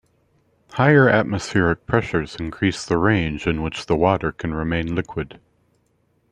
Higher atmospheric pressures increase the range in which the water can remain liquid.